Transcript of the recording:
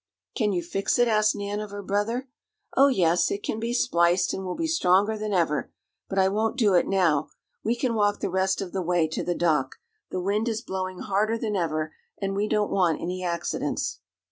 "Can you fix it?" asked Nan of her brother. "Oh, yes, it can be spliced and will be stronger than ever. But I won't do it now. We can walk the rest of the way to the dock. The wind is blowing harder than ever, and we don't want any accidents."